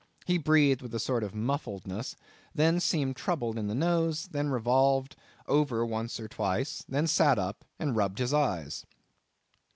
He breathed with a sort of muffledness; then seemed troubled in the nose; then revolved over once or twice; then sat up and rubbed his eyes.